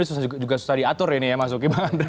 ini susah juga susah diatur ini ya mas hoki bang andrei